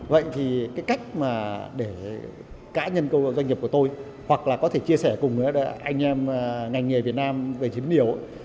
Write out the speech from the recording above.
vậy thì cái cách mà để cá nhân doanh nghiệp của tôi hoặc là có thể chia sẻ cùng anh em ngành nghề việt nam về chiếm điều